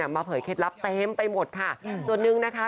เดิมมาเผยเคล็ดรับเต็มไปหมดค่ะ